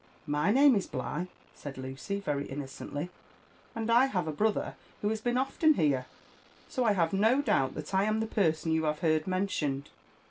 'My name is Bligh," said Lucy very innocently, and I have a brother who has been often here ; so I have no doubt that 1 am the person you have heard mentioned.